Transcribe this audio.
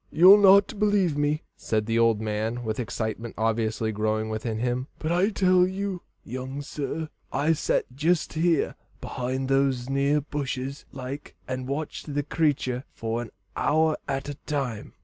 "You'll not believe me," said the old man, with excitement obviously growing within him, "but I tell you, young sir, I've sat jist here behind those near bushes like, and watched the creatur for an hour at a time."